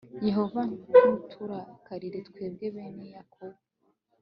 yehova ntuturakarire twebwe bene yakobo